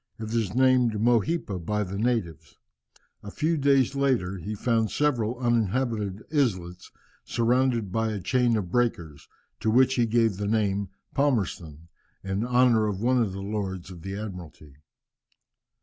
It is named Mohipa by the natives. A few days later he found several uninhabited islets, surrounded by a chain of breakers, to which he gave the name of Palmerston, in honour of one of the Lords of the Admiralty.